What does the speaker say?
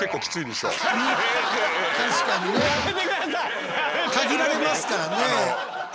これは。限られますからね。